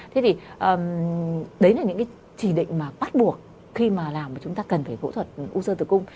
thế thì đấy là những cái chỉ định mà bắt buộc khi mà làm thì chúng ta cần phải phẫu thuật u sơ tử cung